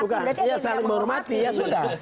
bukan bukan saya saling menghormati ya sudah